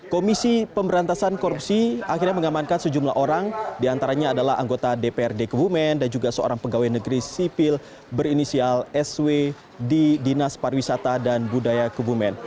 komisi pemberantasan korupsi akhirnya mengamankan sejumlah orang diantaranya adalah anggota dprd kebumen dan juga seorang pegawai negeri sipil berinisial sw di dinas pariwisata dan budaya kebumen